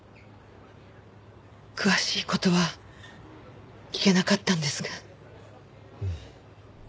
詳しい事は聞けなかったんですが。